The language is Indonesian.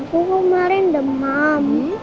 aku kemarin demam